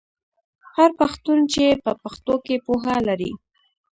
هر پښتون چې په پښتو کې پوهه لري.